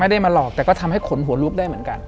ไม่ได้มาหลอกแต่ก็ทำให้ขนหัวลุกได้เหมือนกัน